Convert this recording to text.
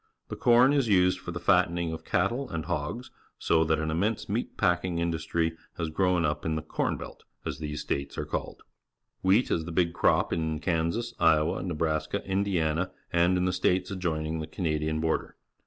The corn is used for the fattening of cattle and hogs, so that an immense meat packing industry has grown up in the "corn belt," as these states are called. Wheat is the big crop in Kansas, Iowa, Nebraska, Indiana, and in the states adjoining the Canadian border.